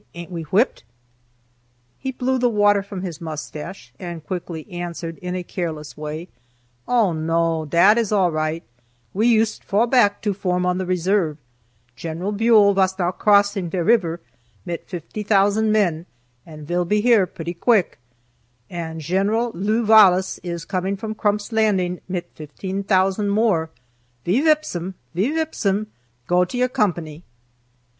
Ain't we whipped?" He blew the water from his mustache, and quickly answered in a careless way: "Oh, no; dat is all ride. We yoost fall back to form on the reserve. Sheneral Buell vas now crossing der river mit 50,000 men, and vill be here pooty quick; and Sheneral Lew Vallace is coming from Crump's Landing mit 15,000 more. Ve vips 'em; ve vips 'em. Go to your gompany."